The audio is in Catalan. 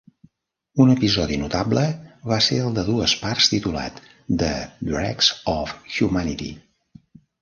Un episodi notable va ser el de dues parts titulat "The Dregs of Humanity".